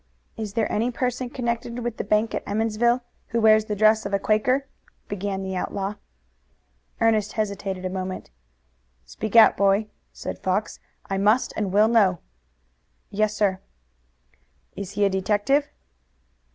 "Is there any person connected with the bank at Emmonsville who wears the dress of a Quaker?" began the outlaw. Ernest hesitated a moment. "Speak out, boy!" said Fox. "I must and will know." "Yes, sir." "Is he a detective?"